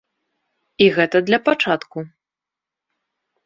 І гэта для пачатку.